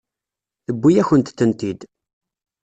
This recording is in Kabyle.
Tewwi-yakent-tent-id.